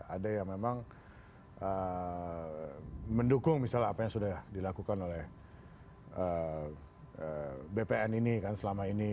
ada yang memang mendukung misalnya apa yang sudah dilakukan oleh bpn ini kan selama ini